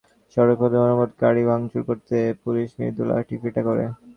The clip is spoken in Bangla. পরে সড়ক অবরোধ করে গাড়ি ভাঙচুর করলে পুলিশ মৃদু লাঠিপেটা করে।